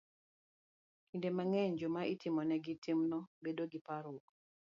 Kinde mang'eny, joma itimonegi timno bedo gi parruok